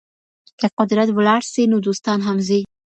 که قدرت ولاړ سي نو دوستان هم ځي.